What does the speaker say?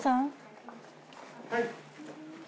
はい。